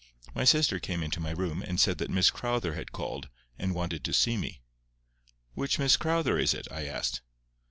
My sister came into my room and said that Miss Crowther had called, and wanted to see me. "Which Miss Crowther is it?" I asked.